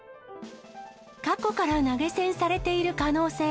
過去から投げ銭されている可